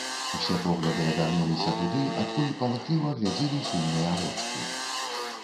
Усе погляды абярнуліся туды, адкуль палахліва глядзелі сумныя вочкі.